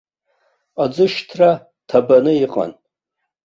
Аӡышьҭра ҭабаны иҟан.